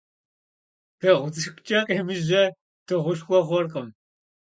Дыгъу цӀыкӀукӀэ къемыжьэ дыгъушхуэ хъуркъым.